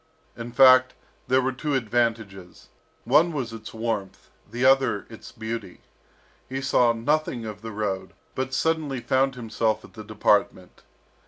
In fact, there were two advantages, one was its warmth, the other its beauty. He saw nothing of the road, but suddenly found himself at the department.